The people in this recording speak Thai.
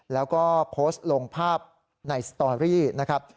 แล้วก็โพสต์ลงภาพในสตอรี่นะครับ